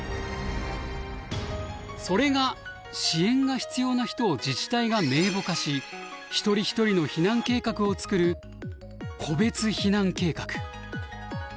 それが支援が必要な人を自治体が名簿化し一人一人の避難計画を作る個別避難計画。